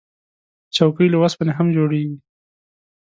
چوکۍ له اوسپنې هم جوړیږي.